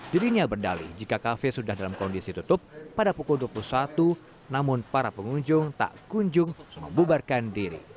dirinya berdali jika kafe sudah dalam kondisi tutup pada pukul dua puluh satu namun para pengunjung tak kunjung membubarkan diri